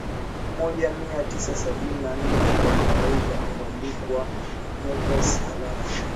moja Mia tisa sabini na nne kwa kawaida huandikwa Negus Halafu